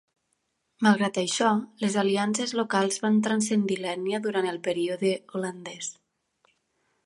Malgrat això, les aliances locals van transcendir l'ètnia durant el període holandès.